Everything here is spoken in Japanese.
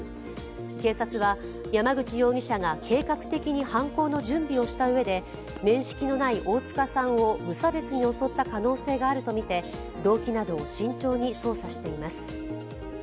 警察は、山口容疑者が計画的に犯行の準備をしたうえで面識のない大塚さんを無差別に襲った可能性があるとみて動機などを慎重に捜査しています。